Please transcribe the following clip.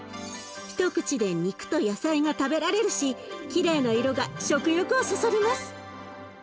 一口で肉と野菜が食べられるしきれいな色が食欲をそそります。